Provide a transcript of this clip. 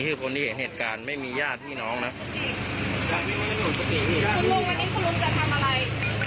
จะไปที่ไหนจะทำอะไร